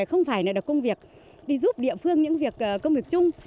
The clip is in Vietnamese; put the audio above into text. không phải là được công việc đi giúp địa phương những việc công việc chung